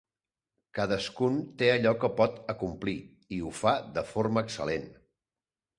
Cadascun té allò que pot acomplir, i ho fa de forma excel·lent.